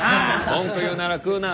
文句言うなら食うな。